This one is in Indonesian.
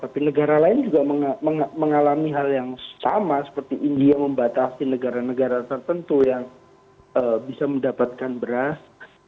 dan beberapa negara lain juga mengalami hal yang sama seperti india membatasi negara negara tertentu yang bisa mendapatkan beras termasuk vietnam